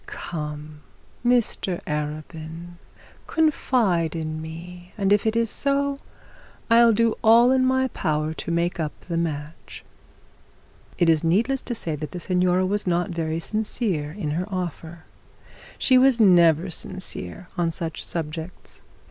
Come, Mr Arabin, confide in me, and if it is so, I'll do all in my power to make up the match.' It is needless to say that the signora was not very sincere in her offer. She was never sincere on such subjects.